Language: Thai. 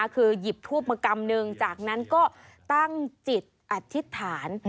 คือหยิบทูบมากำนึงจากนั้นก็ตั้งจิตอธิษฐาน